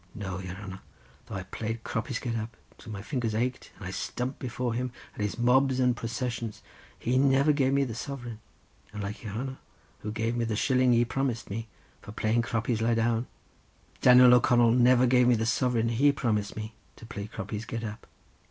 No, your hanner, though I played 'Croppies Get Up,' till my fingers ached, as I stumped before him and his mobs and processions, he never gave me the sovereign: unlike your hanner who gave me the shilling ye promised me for playing 'Croppies Lie Down,' Daniel O'Connell never gave me the sovereign he promised me for playing 'Croppies Get Up.